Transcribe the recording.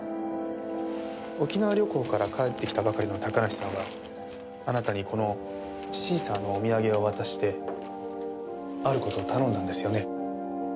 沖縄旅行から帰ってきたばかりの高梨さんはあなたのこのシーサーのお土産を渡してある事を頼んだんですよね？